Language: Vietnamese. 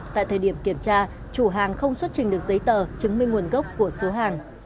tại thời điểm kiểm tra chủ hàng không xuất trình được giấy tờ chứng minh nguồn gốc của số hàng